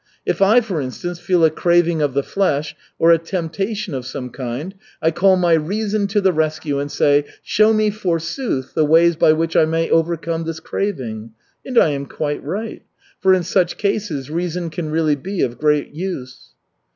If I, for instance, feel a craving of the flesh or a temptation of some kind, I call my reason to the rescue and say, 'Show me, forsooth, the ways by which I may overcome this craving,' and I am quite right, for in such cases reason can really be of great use."